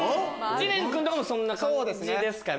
知念君もそんな感じですかね？